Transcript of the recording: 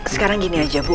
sekarang gini aja bu